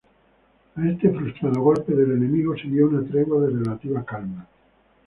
A este frustrado golpe del enemigo siguió una tregua de relativa calma.